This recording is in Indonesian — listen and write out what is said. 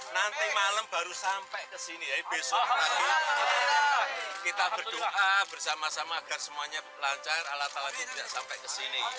nanti malam baru sampai ke sini besok lagi kita berdoa bersama sama agar semuanya lancar alat alatnya tidak sampai ke sini